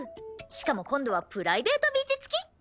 しかも今度はプライベートビーチ付き！